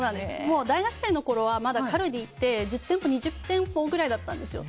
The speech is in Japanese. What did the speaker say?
大学生のころはまだカルディって１０店舗、２０店舗くらいだったんですよ。